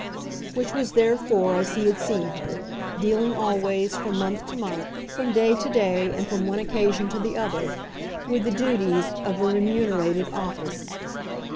Which was therefore as he had seen her dealing always, from month to month, from day to day and from one occasion to the other, with the duties of a remunerated office.